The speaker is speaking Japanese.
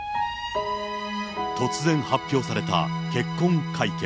突然発表された結婚会見。